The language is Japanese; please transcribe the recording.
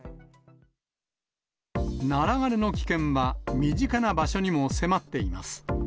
ナラ枯れの危険は、身近な場所にも迫っています。